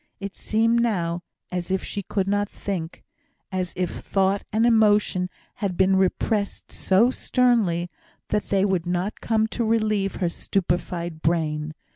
It seemed now as if she could not think as if thought and emotion had been repressed so sternly that they would not come to relieve her stupified brain.